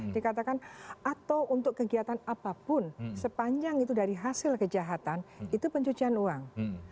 dikatakan atau untuk kegiatan apapun sepanjang itu dari hasil kejahatan itu pencucian uang